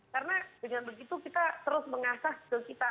karena dengan begitu kita terus mengasah skill kita